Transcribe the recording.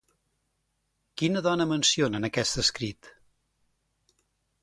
Quina dona menciona en aquest escrit?